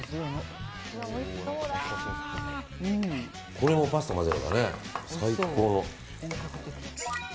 これもパスタ交ぜればね、最高。